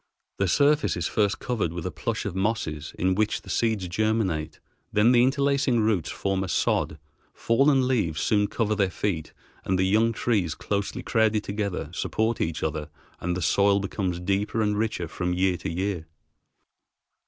The surface is first covered with a plush of mosses in which the seeds germinate; then the interlacing roots form a sod, fallen leaves soon cover their feet, and the young trees, closely crowded together, support each other, and the soil becomes deeper and richer from year to year.